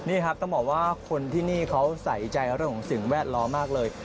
นี่ครับต้องบอกว่าคนที่นี่เขาใส่ใจเรื่องของสิ่งแวดล้อมมากเลย